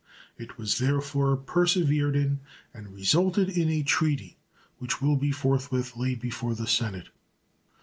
It was therefore persevered in, and resulted in a treaty, which will be forthwith laid before the Senate.